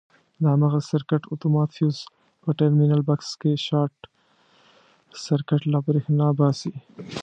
د هماغه سرکټ اتومات فیوز په ټرمینل بکس کې شارټ سرکټ له برېښنا باسي.